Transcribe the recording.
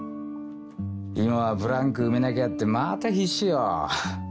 今はブランク埋めなきゃってまた必死よ。